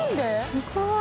すごい！